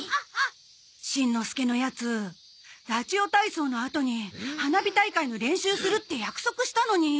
しんのすけのヤツラジオ体操のあとに花火大会の練習するって約束したのに。